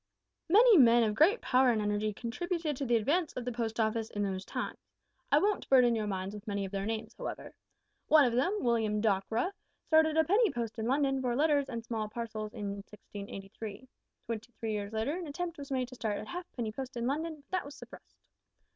"Many men of great power and energy contributed to the advance of the Post Office in those times. I won't burden your minds with many of their names however. One of them, William Dockwra, started a penny post in London for letters and small parcels in 1683. Twenty three years later an attempt was made to start a halfpenny post in London, but that was suppressed.